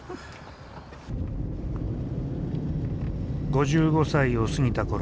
５５歳を過ぎたころ